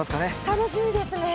楽しみですね。